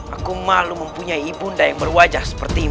aku malu mempunyai ibunda yang berwajah seperti itu